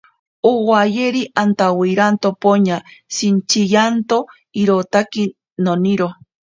Owayeri, antawairianto poña shintsiyanto... irotaki noniro.